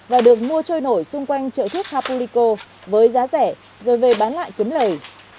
và được mua trôi nổi xung quanh chợ thuốc hapolico với giá rẻ rồi về bán lại kiếm lời